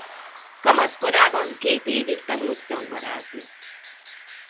Kamasz korában két évig tanult zongorázni.